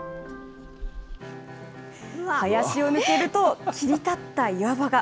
林を抜けると、切り立った岩場が。